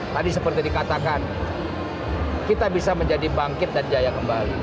tadi seperti dikatakan kita bisa menjadi bangkit dan jaya kembali